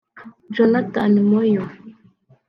Jonathan Moyo